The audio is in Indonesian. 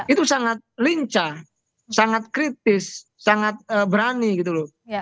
itu sangat lincah sangat kritis sangat berani gitu loh